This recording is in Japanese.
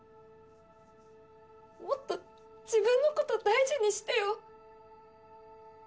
もっと自分のこと大事にしてよ。